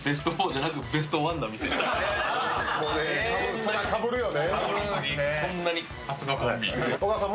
そら、かぶるよね。